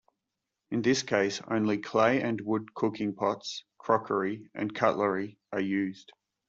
In this case, only clay and wood cooking pots, crockery, and cutlery are used.